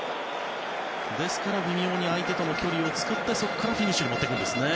ですから微妙に相手との距離を作ってそこからフィニッシュに持っていくんですね。